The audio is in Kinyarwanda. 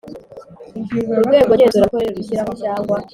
Urwego ngenzuramikorere rushyiraho cyangwa